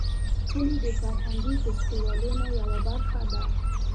کلي د فرهنګي فستیوالونو یوه برخه ده.